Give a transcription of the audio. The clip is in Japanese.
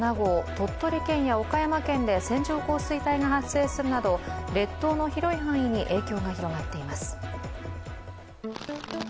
鳥取県や岡山県で線状降水帯が発生するなど、列島の広い範囲に影響が広がっています。